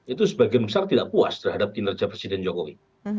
itu sebagian besar tidak puas terhadap kinerja presiden jokowi